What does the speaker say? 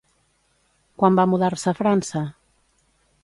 Quan va mudar-se a França?